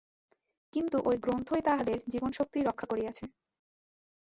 কিন্তু ঐ গ্রন্থই তাহাদের জীবনীশক্তি রক্ষা করিয়াছে।